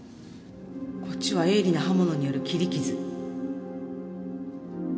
こっちは鋭利な刃物による切り傷。